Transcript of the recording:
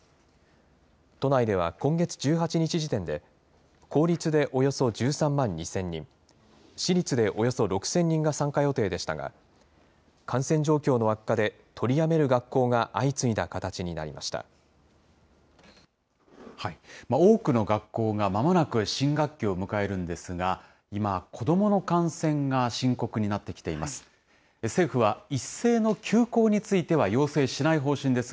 都内では今月１８日時点で、公立でおよそ１３万２０００人、私立でおよそ６０００人が参加予定でしたが、感染状況の悪化で取りやめる学校が相次いだ形になり多くの学校が、まもなく新学期を迎えるんですが、今、子どもの感染が深刻になってきています。